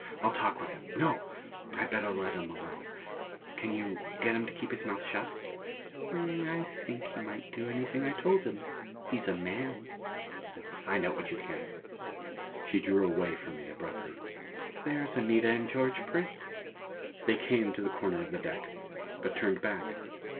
I'll talk with him. No! I'd better let him alone. Can you get him to keep his mouth shut?" "I think he might do anything I told him. He's a man!" "Find out what you can." She drew away from me abruptly. "There's Anita and George Prince." They came to the corner of the deck, but turned back.